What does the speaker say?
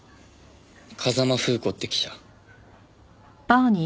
風間楓子って記者。